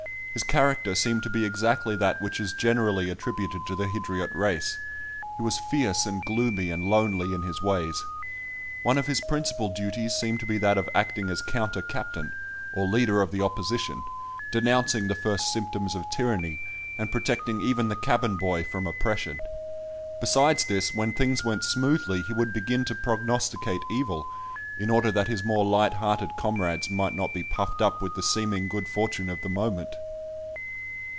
His character seemed to be exactly that which is generally attributed to the Hydriot race; he was fierce, and gloomy, and lonely in his ways. One of his principal duties seemed to be that of acting as counter captain, or leader of the opposition, denouncing the first symptoms of tyranny, and protecting even the cabin boy from oppression. Besides this, when things went smoothly he would begin to prognosticate evil, in order that his more light hearted comrades might not be puffed up with the seeming good fortune of the moment.